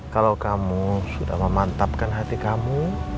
kalau kamu sudah memantapkan hati kamu